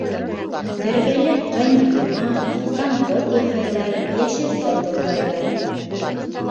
Бергәләп ҡайнатма, компот яһайҙар, йәшелсә тоҙлайҙар.